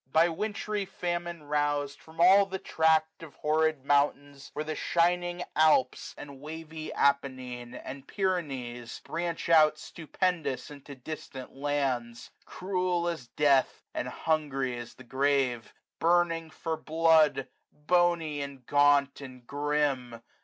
By wintry famine rous'd, from all the tract Of horrid mountains which the shining Alps, 39a And wavy Appenine, and Pyrenees^ Branch out stupendous into distant lands; Cruel as death, and hungry as the grave ! Burning for blood! bony, and gaunt, and grim!